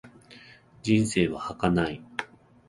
人生は儚い。